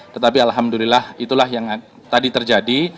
tetapi alhamdulillah itulah yang tadi terjadi